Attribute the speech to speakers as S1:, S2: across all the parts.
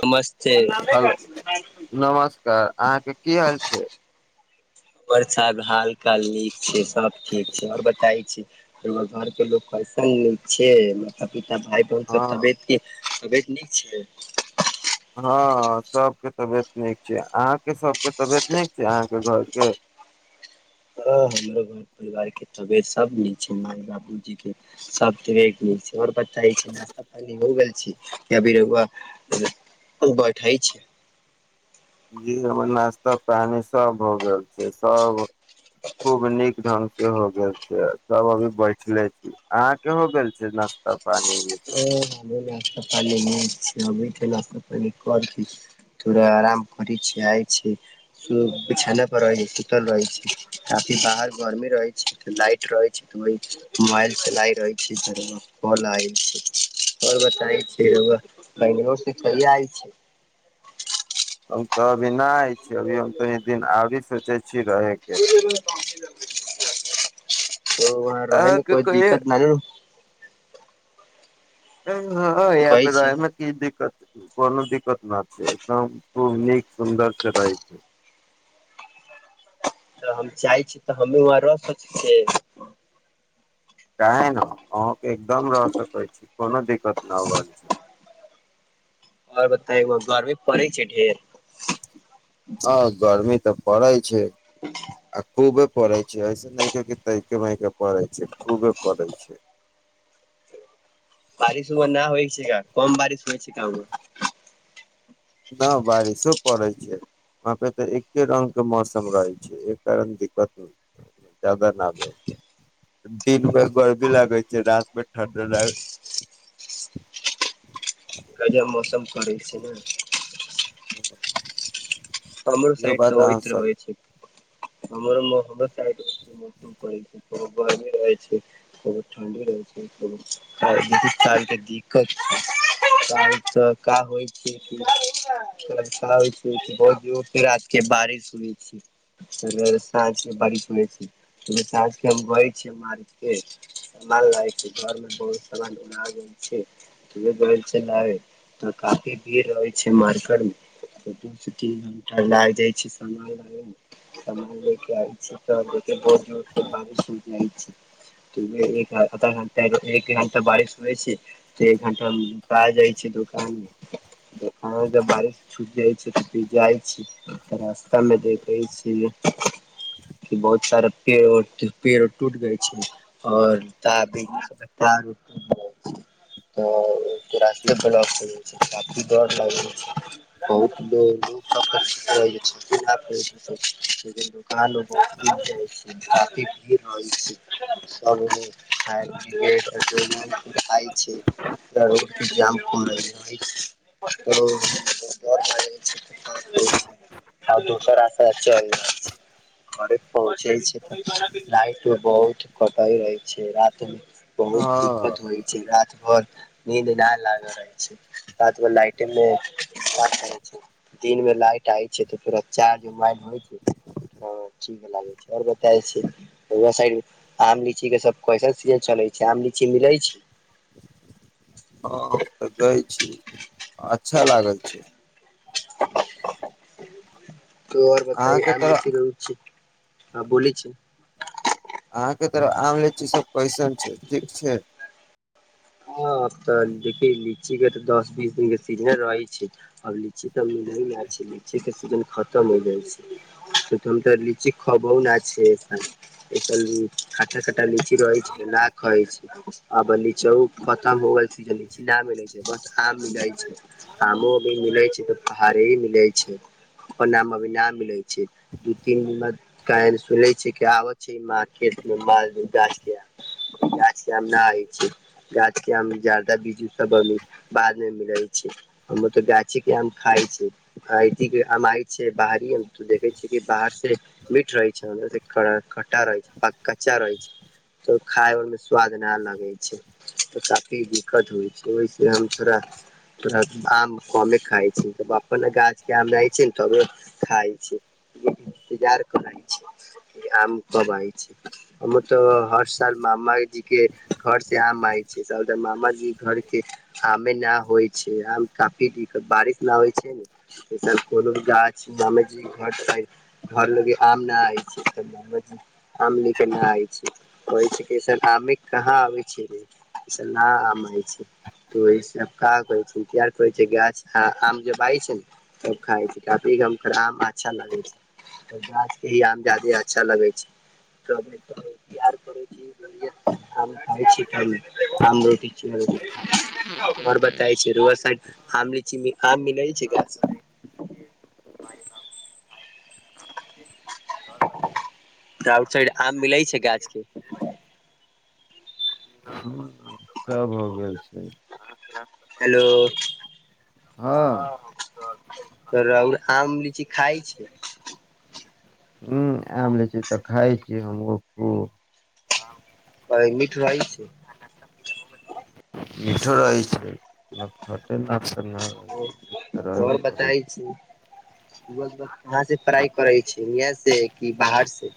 S1: समस
S2: hello नमस्कार अहाँके की हाल छै।
S1: परसाद हाल काल नीक छै। सब ठीक छै और बताइ छी, रोउवा घर के लोग कैसन ने छै, माता पि ता, भाई, बहन सब
S2: हँ
S1: तबियत के तबियत नीक छै।
S2: हाँ सबके तबियत नीक छै, अहाँके सबके तबियत नीक से अहाँके घर के
S1: हँ हमरो घर परिवार के तबियत सब नीक छै माय, बाबूजी के सबके नीक छै और ब दे छै, नाश्ता पानी हो गेल। छी या [unintelligible] बैठय छै।
S2: जी हमर नाश्ता पानी सब हो गेल छै, सब खूब नीक ढंग से हो गेल छै, सब अभी बैठले छी, अहाँ के हो गेल छै नाश्ता। पानी ई सब
S1: ओ हाँ बोला। [unintelligible] थोड़ा आराम करे छी आय छी, सु बिछौना पर रहे छी, सुतल रहे छी, काफी बाहर गरमी रहे छै ते लाइट रहे छै ते वही मुबाएल से लाइट रहे छै [unintelligible] और बताय छी रउवा पहिले [unintelligible] आयल छी।
S2: तब इनाय अभी हम तनी दिन आगे से
S1: जीरेबे बासी लंग। ओ वहाँ रहे मे,
S2: अहाँके
S1: कोइ दिक्कत ना
S2: ए हाँ यहाँ
S1: कहै
S2: पे
S1: छै
S2: रहै मे की दिक्कत कोनो दिक्कत न छै, एकदम खूब नीक सुन्दर से रहै छै।
S1: तऽ हम चाहइ छी तऽ हममे वहाँ रह सोचै छियै।
S2: क ने। एकदम रह सकैत छी, कोनो दिक्कत नहि रहल छै।
S1: आओर बताग गर्मी पड़ै छै ढेर?
S2: हँ गरमी तऽ पड़ै छै। आ खूब पढ़ै छै, ऐसे नहि तर महिके पढ़ै छै, खूबे पढ़ै छै।
S1: बारिश उमे नहि होइ छै, क कम बारिश होइ छै कमे।
S2: नहि बारिशो पड़ै छै, वहाँ पे तऽ एके रंग के मौसम रहै छै, एहि कारण दिक्कत जादाा नहि रह छै, दिनमे गर्मी लागै छै, रातमे ठण्ड लागै छै।
S1: कम मौसम करै छै ने। तर
S2: छै इहो
S1: सइड तऽ
S2: बात अहाँ
S1: ओहिति होइ
S2: सही
S1: छै, तर मह ौ छै गर्मी रहै छै ठणडी रहै छै, [unintelligible] दिक्कता छै। रात के बारिश सुनेै छी, साँझ के बारिश सु छै, साँझ के हम ग छी, मार केान ल घर में बहुत सान उड़ छै उहे काफी भीड़ रहै छै मार्ट मे। तीन घण्टा लाग जाइ छै सान लाबे मे सान ले के आबै छ तब देख बहुत दर बारिश छुटि जाइ छै, आधा घण एक घण्टा बारिश होइ छै, तऽ एक घण्टा जाइ छै, दोकान मे दोकान मे जब बारिश छुटि जाइ छै। छी रास्ता में देखे छी कि, बहुत सारा पेड़ पेड़ टूट गय छै और त टूट जाय छै त, रास्ते ब्लॉक हो छै, काफी डर लाग छै बहुतो। भीड़ रह छै सबो [unintelligible] आ दोसर चल जा छै, घरे पहुँचे छै तऽ, लाइट भ बहुत कटाइ रहै छै, रात मे। बहुत दिक्कत
S2: हँ
S1: होइ छै, रात भर। नीद डाल लागल रहै छै, रात मे लाइटे दिन मे लाइट आइ छै तऽ, चार्ज मोबाइल होइ छै, लाग छै, आओर बता छी साइड आम लीची के सब कैसन सीजन चलै छै, आम लीची मिलै छै?
S2: हँ हम तऽ गए छीय अच्छा लागल छै।
S1: तो आर
S2: अहाँके
S1: कथमे
S2: तरफ
S1: क रहौ छै। हँ बोल छी।
S2: अहाँके तर आम लिची सब कैसन ठीक छै।
S1: हब तऽ देखिय लीची के तऽ दस बीस दिनक के सीजने रहै छै, आब लीची त म न छै, लीची के सीजन खतम हो जाइ छै, त लीची खबहु न छै, खाटा खटा लीची रहै छै, न खाइ छै, आब लीच खतम होीजन छै नहि मिलैत छै बस आम मिलैत छै आमो अभी मिलैत छै, तऽ पाड़े ही मिलै छै, अपन आम अभी नहि मिलैत छै, दू तीन सुनै छै कि आबैत छै, मार्केटमे मालू गाछके आ गाछके आम नहि होइ छै। गाछ के आम जादा बीजू सबी बाद मे मिलै छै हम त गाछे के आम खााय छी, आ आय छै, बाहरी देखे छ बाहर से मीठ रहै छै, कटा रहे छै, कच्चा रहै छै त खाय ओ मे साद न लगे छै। तऽ काफी दिक्कत होइ छै ओहिस हम थोड़ा थोड़ा आम कमे खाइ छी त, गाछ के आम रहै छै ने तबे खाइ छै, इन्तजार करइ छै, आम कब आइ छै, हम तऽ हर साल मामा जी के घर मामा जी घर के आमे न होइ छै आम काफी दिक्कत बारिश नहि होइ छै, नेसन कोनो भी गाछ मामा जी घर घर ल आम न आय छै, माम जी आम ले के न आय छै, कह छैसन आमे कहाँ आब छै? म त ओार करै छैछ, आम जै छै ने त खाइ छै, काफीम आम अच्छा लगै छै, गाछ के ही आम जे अच्छा लग छै त आइ छी आम रोटी आओर बताय छै र साड आम, लीची कहा मिलै छै ग। आउट साइड आम भी लै छै गाछ के।
S2: ह सभ हो गेल छै।
S1: हेलो।
S2: हँ।
S1: तोरा उ आम, लीची के खाय छीयै।
S2: हुं आम, लीची छी तऽ, खाय छीयै, हमहु खूब।
S1: आ मीठ रहे छै।?
S2: मीठो रहै छै, न त खट्टे न न रहै छै मीठ तऽ रहबे
S1: और
S2: करै
S1: बताय
S2: छै
S1: छी [inaudible] कहाँ से पढ़ाइ करै छीयै यैह से से की बाहर से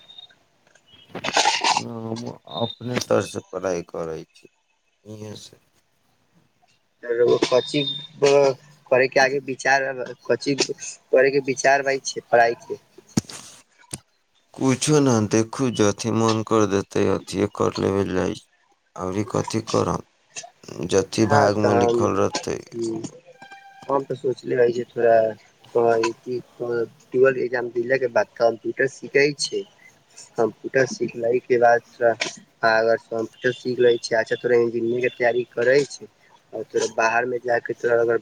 S2: हम अपने स्तर से पढ़ाइ करै छी, इहे से
S1: फेरो कची करा करै के, आगे विचार कची करैके विचार मे छीयै, पढ़ाइ के
S2: कूछो नै देखू, जथि मोन कर देतै, अथिए कर लेबल, जाइ अबरी कथी करब जथी
S1: ह
S2: भाग
S1: तऽ
S2: मे
S1: हम
S2: लिखल रहते
S1: हु, हम तऽ सोचले रहिए थोड़ा तोहर ई की हमर [unintelligible] एक्जाम देलै के बाद कंप्यूटर सिखे के छै, अ कंप्यूटर सिखले के बाद थोड़ा अगर कम्यूटर सीख ले बै छीयै, अच्छा थोड़ा इंजीनियरिंग के तैयारी करै छी आ तोरा बाहरमे जाकऽ तोरा अगर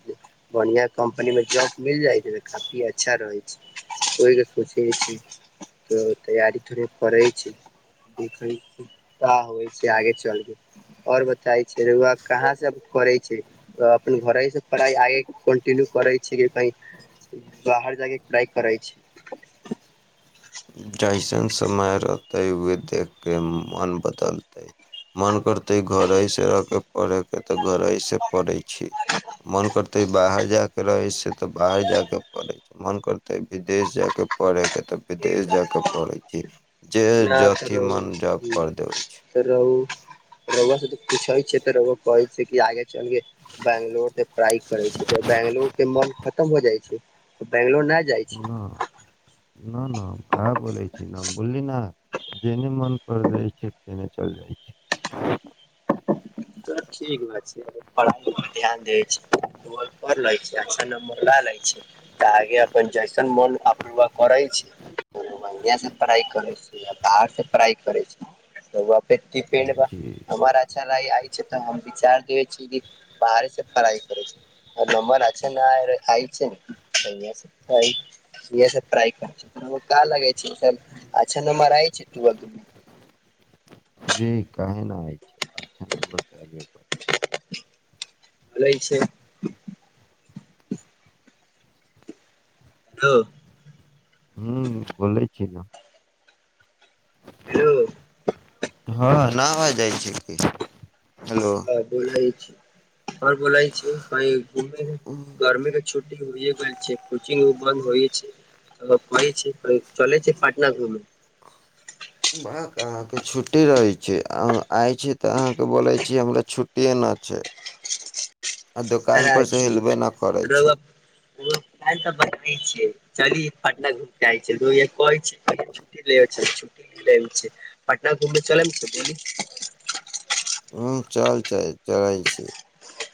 S1: बढ़िया कम्पनीमे जॉब मिल जाइ छै, तऽ काफी अच्छा रहै छै, ओहि लै सोचै त छी, तैयारी थोड़े करै छी, देखए छीयै का होइ छै, आगे चलके और बताई छै रउवा कहाँ से करै छै, अपन घरे से पढ़ाइ आगे कन्टिन्यू करै छीयै कि, कही बाहर जाकै पढ़ाइ करै छी?
S2: जैसन समय रहते उहे देख के मन बदलतै। मन करतै घरे से रह केऽ पढ़य के तऽ घरे से पढ़ै छी। मन करतै बाहर जा कऽ रहै छियै तऽ, बाहर जाय कऽ पड़ै, मन करतै विदेश जाय कऽ पढ़े के तऽ विदेश जा जाए के पढ़े छै। जे
S1: ना तऽ
S2: जथी
S1: रौ
S2: मन जब कर देबै छै
S1: रउवा से त पूछै छीयै तऽ रउवा कहै छै कि आगे चल के बेंगलोर से पढ़ाई करै छीयै, बैंगलोर के मन खत्म हो जाइ छै त बंगलोर नै जाए छै।
S2: ना ना ना। कहाँ बोलै छी नाम बोलली नै। जेहने मोन करत रहै छै, तेहने चल जाइ छीयै।
S1: तऽ ठीक बात छै अपन पढ़ाई पर ध्यान दे छै, [unintelligible] पढ़ ले छै अच्छा नंबर लए ले छै तऽ आगे अपन जैसन मन अपन [inaudible] करै छै, [unintelligible] से पढ़ाई करे छै‌ या बाहर से पढ़ाई करै छै, रउवा [unintelligible] पेड़ बा
S2: जी
S1: हमर अच्छा [unintelligible] आ ई तै हम विचार देेबै छीयै की बाहरे से पढ़ाई करै छी और नंबर अच्छा [unintelligible] इहा से पढ़ाई कर रउवा का लगै छै, ई सब अच्छा नंबर आय छै की, नै अ दु
S2: जी कहे ना आइ छै, अच्छा नंबर तै एबै
S1: त लै छै। दो
S2: ह्म बोलै छी नै।
S1: हेलो।
S2: ना आवाज जाइ छियै की? हेलो
S1: हां बोलै ई और बोलै छीयै अ ई घुमे मे गर्मीके छु टी हुए वला छै कोचिंग बंद होय छै त, कहे छी ए चलै छीयै पटना घुमै
S2: भक अहाँके छुट्टी रहै छै, हम आइ छी तऽ अहाँके बोलै छी हमरा छुट्टिए न छै। आ दोकान पर से हिलबे नै करै छी।
S1: उहो काएल का बात नै छीयै, चलि पटना घुम के आबे छीयै, जहिया कहे छी तहीया छुट्टी लेबे छलिए छुट्टी नै, रहे छै पटना घुमे चलम तै चलु।
S2: हुं चल चए चलै छीयै।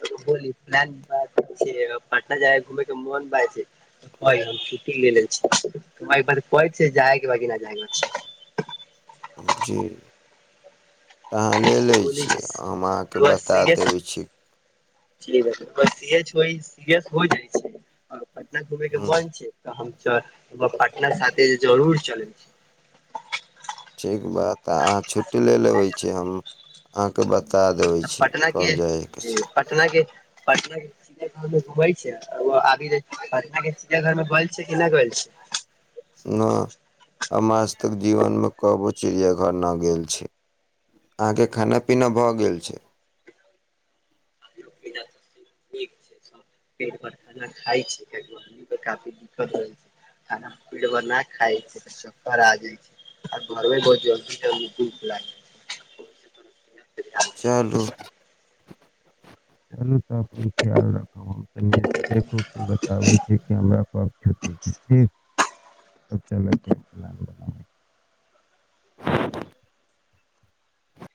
S1: तु बोली प्लैन बनेलै छीयै ए बेर, पटना जाय के घूमे के मन भाए के छै, आए हम छुट्टी लेले छीयै, हमरा एक बार कहे छै जाय के बा की नै जाय के बा।
S2: जी। अहां ले लै
S1: बोली
S2: छी,
S1: छै
S2: हम अहां के
S1: रउआ
S2: बता
S1: सीरियस
S2: देबै छीयै
S1: सीरियल छोड़ी, सीरियस हो जाए छै हां। पटना घुमय के
S2: ह
S1: मोन छै त हम चल उहा पार्टनर साथे जरूर चले छै।
S2: ठीक बात अहाँ छुट्टी ले लेबै छी हम अहाँके बत
S1: पटना के जी पटना के पटना के चिड़ियाघर मे घुमले छीये, वहां आगे जाए के पटना के चिड़ियाघर मे गैल छीयै की नै गैल छीयै?
S2: न हम आज तक जीवनमे कबो चिड़ियाघर न गेल छी, अहाँके खाना पीना भऽ गेल छै?
S1: नीक छै सब पेट भर खाना खाय छियै न, काफी दिक्कत होय छै, अ पेट भर न खाय छीयै तऽ चक्कर आ जाइ छै, आ घरमे बहुत जल्दी जल्दी भूख लागी
S2: चलू। चलू। सबके ख्याल रखब। कनिए देखो के बताबै छै कि, हमरा पास छोटे छोटे [inaudible]